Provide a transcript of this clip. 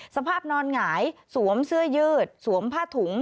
สภาพนอนหงายสวมเสื้อยืดสวมผ้าถุง